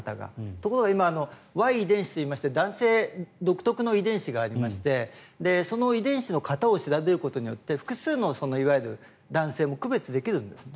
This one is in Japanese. ところが今Ｙ遺伝子といいまして男性独特の遺伝子がありましてその遺伝子の型を調べることで複数のいわゆる男性も区別できるんですね。